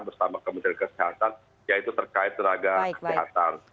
bersama kementerian kesehatan yaitu terkait tenaga kesehatan